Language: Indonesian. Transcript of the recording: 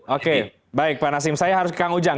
oke baik pak nasim saya harus ke kang ujang